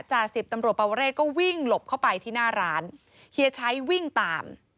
สิบตำรวจปวเรศก็วิ่งหลบเข้าไปที่หน้าร้านเฮียชัยวิ่งตาม